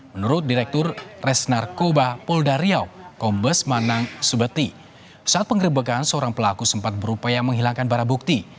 menurut direktur res narkoba polda riau kombes manang subeti saat pengerebekan seorang pelaku sempat berupaya menghilangkan barang bukti